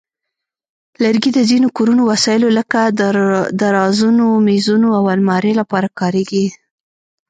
لرګي د ځینو کورني وسایلو لکه درازونو، مېزونو، او المارۍ لپاره کارېږي.